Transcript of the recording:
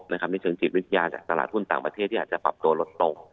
ในเชิงจิตวิทยาจากตลาดหุ้นต่างประเทศที่อาจจะปรับตัวลดลง